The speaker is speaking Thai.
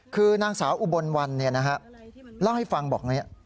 คือนางสาวอุบลวันเล่าให้ฟังบอกนี้